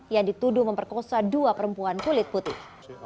yang dituduh memperkosa dua perempuan kulit putih